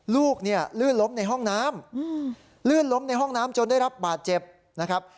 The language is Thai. ลูกเนี่ยลื่นล้มในห้องน้ำลื่นล้มในห้องน้ำจนได้รับบาดเจ็บนะครับ